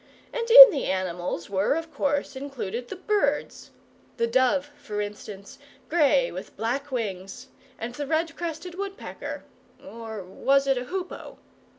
And in the animals were of course included the birds the dove, for instance, grey with black wings, and the red crested woodpecker or was it a hoo poe?